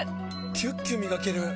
キュッキュ磨ける！